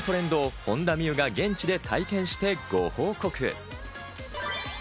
６つのトレンドを本田望結が現地で体験してご報告。